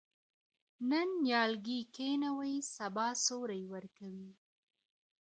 نن نیالګی کښېنوئ سبا سیوری ورکوي.